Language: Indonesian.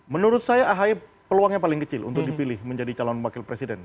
menurut saya ahy peluangnya paling kecil untuk dipilih menjadi calon wakil presiden